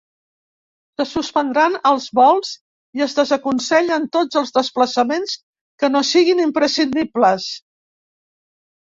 Se suspendran els vols i es desaconsellen tots els desplaçaments que no siguin imprescindibles.